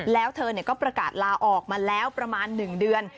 แล้วเธอก็ประกาศลาออกมาแล้วประมาณ๑เดือน